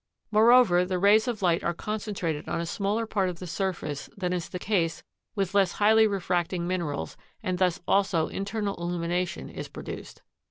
Moreover, the rays of light are concentrated on a smaller part of the surface than is the case with less highly refracting minerals and thus also internal illumination is produced.